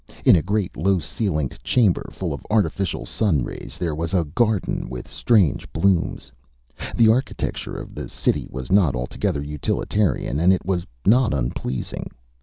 In a great low ceilinged chamber full of artificial sun rays there was a garden with strange blooms. The architecture of the city was not altogether utilitarian and it was not unpleasing.